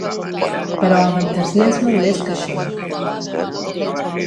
Però Avantasia és molt més que això!